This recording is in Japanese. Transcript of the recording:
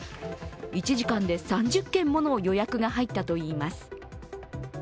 １時間で３０件もの予約が入ったといいます。